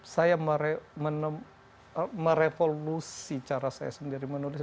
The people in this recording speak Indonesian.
saya merevolusi cara saya sendiri menulis